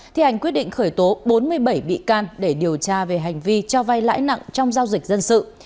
thi hành quyết định khởi tố bốn mươi bảy bị can để điều tra về hành vi cho vay lãi nặng trong giao dịch dân sự